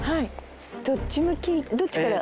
どっち向きどっちから？